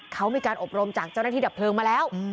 เขามีการอบรมจากเจ้าหน้าที่ดับเพลิงมาแล้ว